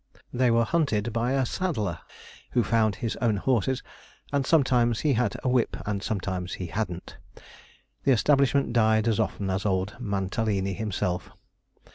They were hunted by a saddler, who found his own horses, and sometimes he had a whip and sometimes he hadn't. The establishment died as often as old Mantalini himself.